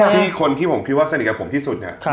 คือคนที่คิดว่าสนิทกับที่สุดเนี่ย